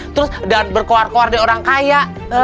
terus dan berkuar kuar dari orang kaya